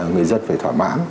người dân phải thỏa mãn